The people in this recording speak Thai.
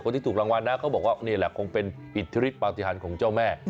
ที่ถูกรางวัลนะเขาบอกว่านี่แหละคงเป็นอิทธิฤทธปฏิหารของเจ้าแม่